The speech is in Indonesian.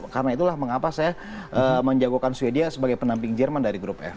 karena itulah mengapa saya menjagokan swedia sebagai penamping jerman dari grup f